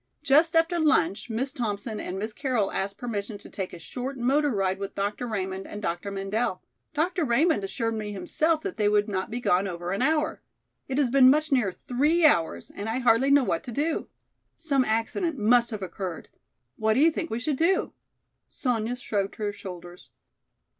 Just after lunch Miss Thompson and Miss Carroll asked permission to take a short motor ride with Dr. Raymond and Dr. Mendel. Dr. Raymond assured me himself that they would not be gone over an hour. It has been much nearer three hours and I hardly know what to do. Some accident must have occurred. What do you think we should do?" Sonya shrugged her shoulders.